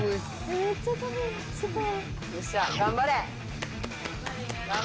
よっしゃ頑張れ！